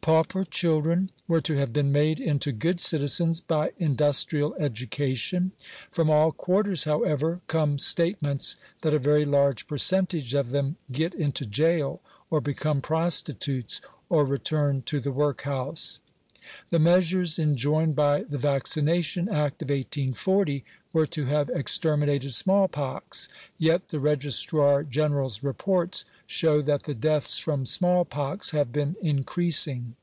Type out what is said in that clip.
Pauper children were to have been made into good citizens by industrial education ; from all quarters, how ever, oome statements that a very large percentage of them get into gaol, or become prostitutes, or return to the workhouse. The measures enjoined by the Vaccination Act of 1840 were to have exterminated small pox; yet the Registrar General's reports show that the deaths from small pox have been in creasing.